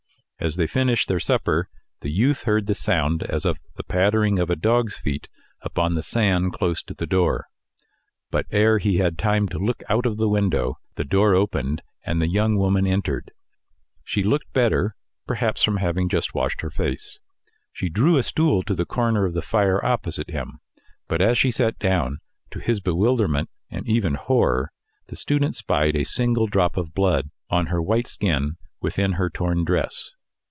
As they finished their supper, the youth heard the sound as of the pattering of a dog's feet upon the sand close to the door; but ere he had time to look out of the window, the door opened, and the young woman entered. She looked better, perhaps from having just washed her face. She drew a stool to the corner of the fire opposite him. But as she sat down, to his bewilderment, and even horror, the student spied a single drop of blood on her white skin within her torn dress.